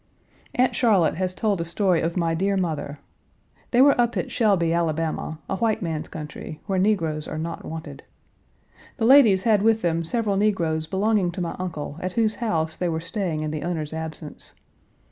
Aunt Charlotte has told a story of my dear mother. They were up at Shelby, Ala., a white man's country, where negroes are not wanted. The ladies had with them several negroes belonging to my uncle at whose house they were staying in the owner's absence.